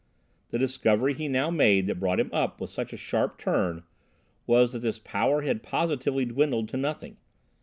The discovery he now made that brought him up with such a sharp turn was that this power had positively dwindled to nothing.